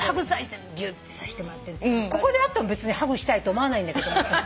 ここで会っても別にハグしたいと思わないんだけども。